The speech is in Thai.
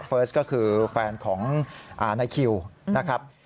เฟิร์สก็คือแฟนของนายคิวนะครับ